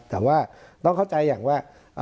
แต่ว่าต้องเข้าใจอย่างว่า